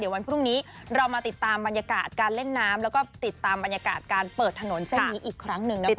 วันพรุ่งนี้เรามาติดตามบรรยากาศการเล่นน้ำแล้วก็ติดตามบรรยากาศการเปิดถนนเส้นนี้อีกครั้งหนึ่งนะคุณ